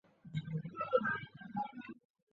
现在已经和以前的时代不同了